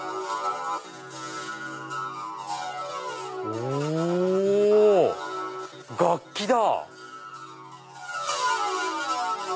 お楽器だ！